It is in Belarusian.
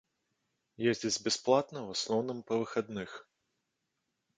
Ездзяць бясплатна, у асноўным, па выхадных.